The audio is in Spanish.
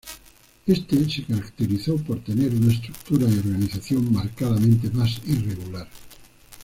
Este se caracterizó por tener una estructura y organización marcadamente más irregular.